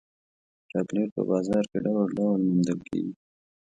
چاکلېټ په بازار کې ډول ډول موندل کېږي.